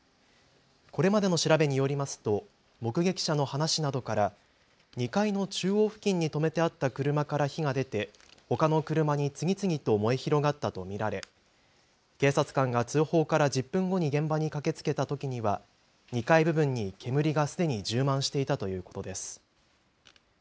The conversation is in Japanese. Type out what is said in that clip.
これまでの調べによりますと目撃者の話などから２階の中央付近に止めてあった車から火が出てほかの車に次々と燃え広がったと見られ警察官が通報から１０分後に現場に駆けつけたときには２階部分に煙がすでに充満していたということです。